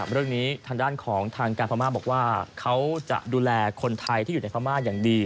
เรื่องนี้ทางด้านของทางการพม่าบอกว่าเขาจะดูแลคนไทยที่อยู่ในพม่าอย่างดี